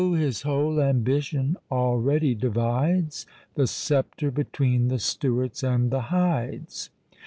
his whole ambition already divides The sceptre between the Stuarts and the Hydes.